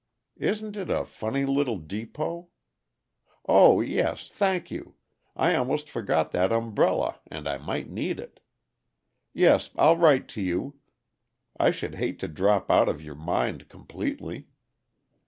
Isn't it a funny little depot? Oh, yes thank you! I almost forgot that umbrella, and I might need it. Yes, I'll write to you I should hate to drop out of your mind completely.